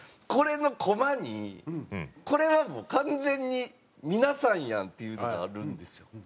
これのコマにこれはもう完全に皆さんやんっていうのがあるんですよ。